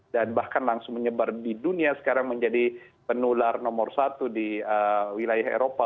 dan bahkan langsung menyebar di dunia sekarang menjadi penular nomor satu di wilayah eropa